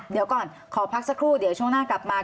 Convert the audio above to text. เดี๋ยวก่อนขอพักสักครู่เดี๋ยวช่วงหน้ากลับมา